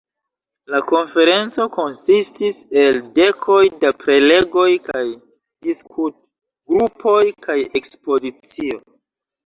La konferenco konsistis el dekoj da prelegoj kaj diskutgrupoj kaj ekspozicio.